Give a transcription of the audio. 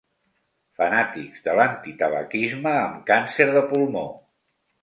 Fanàtics de l'antitabaquisme amb càncer de pulmó.